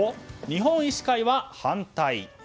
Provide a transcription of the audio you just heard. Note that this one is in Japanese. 日本医師会は反対。